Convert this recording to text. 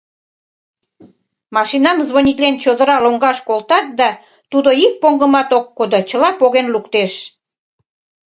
Машинам, «звонитлен», чодыра лоҥгаш колтат да, тудо ик поҥгымат ок кодо — чыла поген луктеш.